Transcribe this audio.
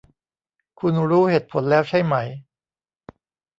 คุณรู้เหตุผลแล้วใช่ไหม